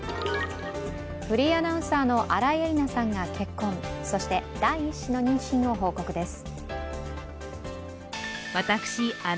フリーアナウンサーの新井恵理那さんが結婚、そして第１子の妊娠を報告です。